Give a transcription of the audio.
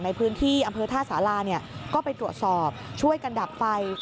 ในพื้นที่อำเภอท่าสาราก็ไปตรวจสอบช่วยกันดับไฟ